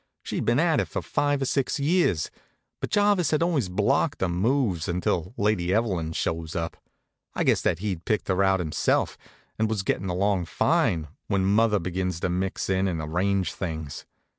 She'd been at it for five or six years; but Jarvis had always blocked her moves, until Lady Evelyn shows up. I guessed that he'd picked her out himself, and was gettin' along fine, when mother begins to mix in and arrange things.